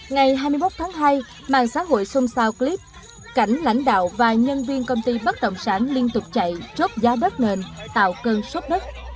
ngày hai mươi một tháng hai mạng xã hội xôn xao clip cảnh lãnh đạo và nhân viên công ty bất động sản liên tục chạy chốt giá đất nền tạo cơn sốt đất